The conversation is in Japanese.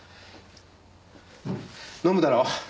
飲むだろう？